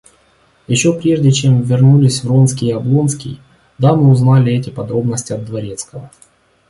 Еще прежде чем вернулись Вронский и Облонский, дамы узнали эти подробности от дворецкого.